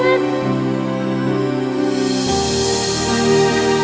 di sini juga baru lainnya lancar